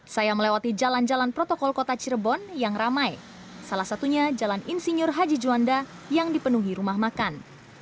saya melewati jalan jalan protokol kota cirebon yang ramai salah satunya jalan insinyur haji juanda yang dipenuhi rumah makan